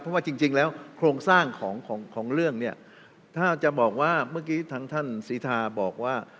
เพราะว่าจริงแล้วโครงสร้างของเรื่องเนี่ยถ้าจะบอกว่าเมื่อกี้ทางท่านศรีทาบอกว่า